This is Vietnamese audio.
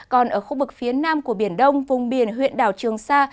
còn ở khu vực phía nam của biển đông vùng biển huyện đảo trường sa